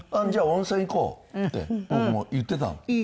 「じゃあ温泉行こう」って僕も言ってたの。